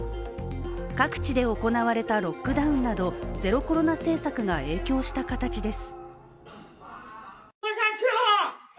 各地で行われたロックダウンなどゼロコロナ政策が影響した形です。